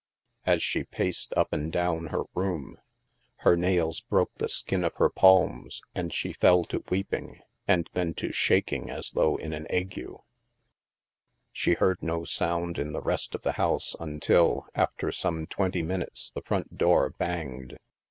As she paced up and down her room, her nails broke the skin of her palms, and she fell to weeping, and then to shaking as though in an ague. She heard no sound in the rest of the house un til, after some twenty minutes, the front door banged.